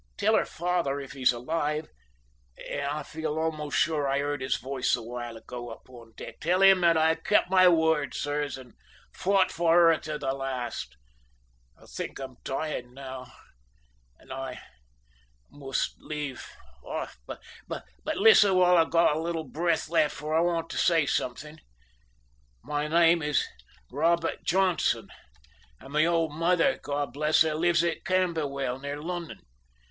Tell her father, if he's alive and I feel almost sure I heard his voice awhile ago up on deck tell him that I kept my word, sirs, and fought for her to the last. I think I'm dying now, and I must leave off. But listen while I've a little breath, for I want to say something. My name is Robert Johnson, and my old mother, God bless her, lives at Camberwell, near London.